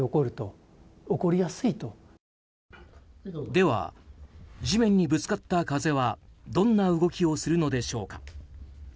では、地面にぶつかった風はどんな動きをするのでしょうか。